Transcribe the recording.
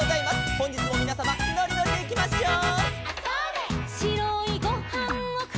「ほんじつもみなさまのりのりでいきましょう」